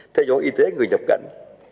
theo dõi y tế người nhập cảnh